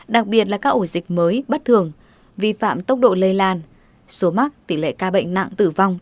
đặc biệt là các ổ dịch mới bất thường vi phạm tốc độ lây lan số mắc tỷ lệ ca bệnh nặng tử vong